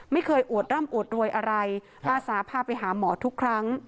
อวดร่ำอวดรวยอะไรอาสาพาไปหาหมอทุกครั้ง